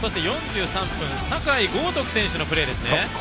４３分、酒井高徳選手のプレー。